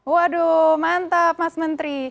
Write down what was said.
waduh mantap mas menteri